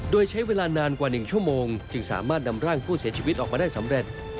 โดยใช้เวลานานกว่า๑ชั่วโมงจึงสามารถนำร่างผู้เสียชีวิตออกมาได้สำเร็จ